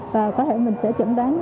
và có thể mình sẽ chẩn đoán